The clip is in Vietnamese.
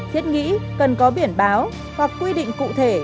thiết nghĩ cần có biển báo hoặc quy định cụ thể